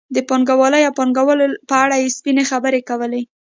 د پانګوالۍ او پانګوالو په اړه سپینې خبرې کولې.